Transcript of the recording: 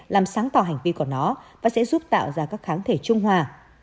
làm sáng tỏ hành vi của nó và sẽ giúp tạo ra các kháng thể trung hòa